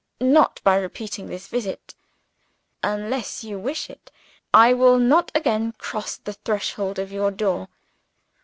Not by repeating this visit! Unless you wish it, I will not again cross the threshold of your door.